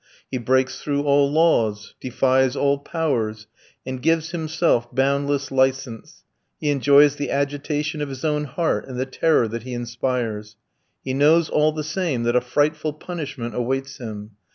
He breaks through all laws, defies all powers, and gives himself boundless license. He enjoys the agitation of his own heart and the terror that he inspires. He knows all the same that a frightful punishment awaits him.